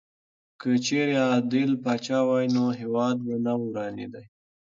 که چېرې عادل پاچا وای نو هېواد به نه ورانېدی.